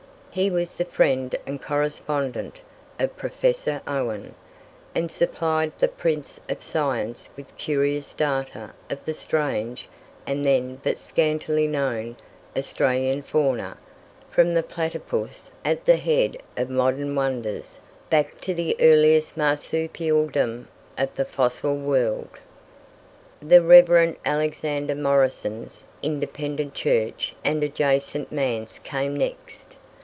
He was the friend and correspondent of Professor Owen, and supplied the Prince of Science with curious data of the strange, and then but scantily known, Australian fauna, from the platypus, at the head of modern wonders, back to the earliest marsupialdom of the fossil world. The Reverend Alexander Morison's Independent Church and adjacent manse came next.